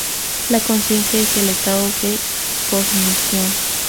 La conciencia es el estado de cognición.